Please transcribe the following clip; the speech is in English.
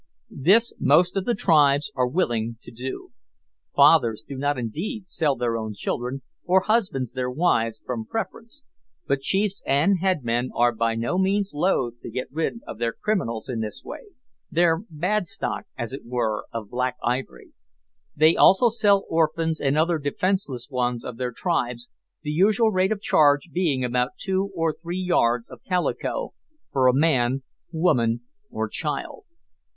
This most of the tribes are willing to do. Fathers do not indeed, sell their own children, or husbands their wives, from preference, but chiefs and head men are by no means loath to get rid of their criminals in this way their bad stock, as it were, of black ivory. They also sell orphans and other defenceless ones of their tribes, the usual rate of charge being about two or three yards of calico for a man, woman, or child.